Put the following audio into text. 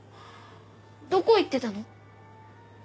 どこ行ってたの？